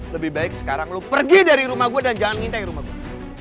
lebih baik sekarang lu pergi dari rumah gue dan jangan ngintai rumah gue